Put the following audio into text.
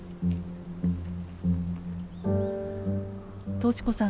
寿子さん